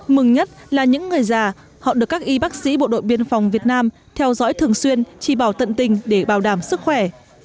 mừng nhất là những người già họ được các y bác sĩ bộ đội biên phòng việt nam theo dõi thường xuyên chỉ bảo tận tình để bảo đảm sức khỏe